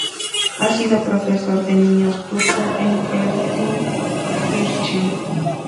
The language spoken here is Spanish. Ha sido profesor de niños turcos en Gelsenkirchen.